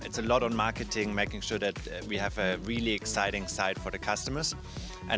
itu banyak di marketing memastikan kita memiliki sisi yang sangat menarik untuk pelanggan